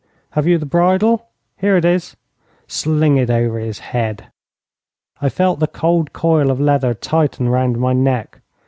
'Have you the bridle?' 'Here it is.' 'Sling it over his head.' I felt the cold coil of leather tighten round my neck.